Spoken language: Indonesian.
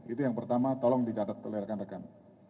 itu yang pertama tolong dicatat oleh rekan rekan